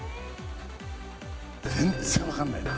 全然わかんないな。